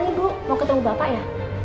sayang ibu mau ketemu bapak ya